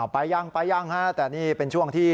ไปยังครับแต่นี่เป็นช่วงที่